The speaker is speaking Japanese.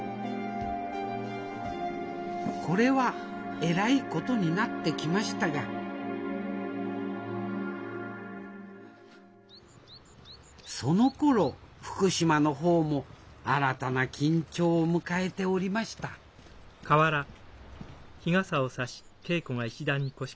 これはえらいことになってきましたがそのころ福島の方も新たな緊張を迎えておりましたどうして？